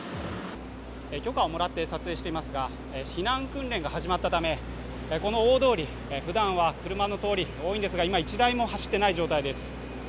許可をもらって撮影していますが避難訓練が始まったため、この大通り、ふだんは車の通り多いんですが今は１台も走っていない状態です。